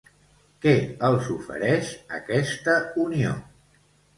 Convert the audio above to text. Què els ofereix aquesta unió?